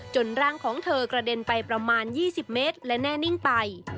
ร่างของเธอกระเด็นไปประมาณ๒๐เมตรและแน่นิ่งไป